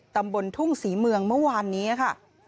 ตำบลทุ่งศรีเมืองเมื่อวานนี้ค่ะ